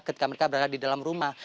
karena mereka berada di dalam rumah